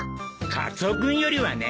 カツオ君よりはね。